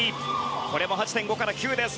これも８．５から９です。